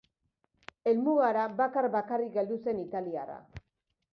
Helmugara bakar-bakarrik heldu zen italiarra.